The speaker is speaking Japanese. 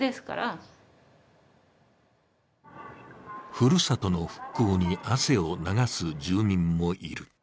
ふるさとの復興に汗を流す住民もいる。